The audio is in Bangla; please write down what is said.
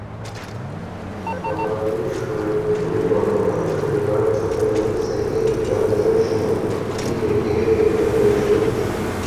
নীলফামারীর সৈয়দপুরে গতকাল শনিবার চোরাই মোটরসাইকেল কেনাবেচার সময় তিন ব্যক্তিকে গ্রেপ্তার করেছে পুলিশ।